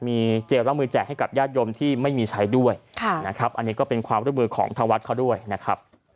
มีเจลล้างมือแจกให้กับญาติโยมที่ไม่มีใช้ด้วยนะครับอันนี้ก็เป็นความร่วมมือของทางวัดเขาด้วยนะครับ